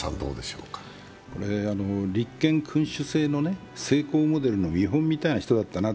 立憲君主制の成功モデルの見本みたいな人でしたね。